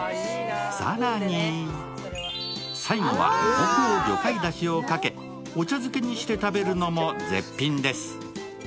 更に最後は濃厚魚介だしをかけお茶漬けにして食べるのも絶品です。